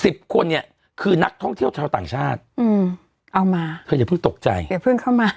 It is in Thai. คนเนี้ยคือนักท่องเที่ยวชาวต่างชาติอืมเอามาเธออย่าเพิ่งตกใจอย่าเพิ่งเข้ามา